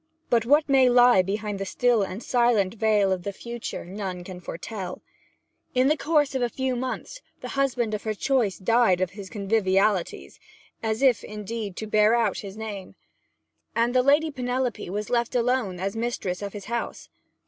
But what may lie behind the still and silent veil of the future none can foretell. In the course of a few months the husband of her choice died of his convivialities (as if, indeed, to bear out his name), and the Lady Penelope was left alone as mistress of his house.